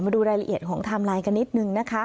มาดูรายละเอียดของไทม์ไลน์กันนิดนึงนะคะ